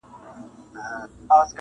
چې ورځ خرابه شي په مخه کړي سېلاب سړی